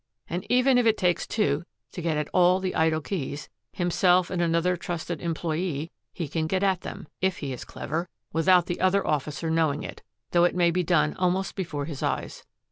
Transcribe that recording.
And even if it takes two to get at the idle keys, himself and another trusted employe, he can get at them, if he is clever, without the other officer knowing it, though it may be done almost before his eyes.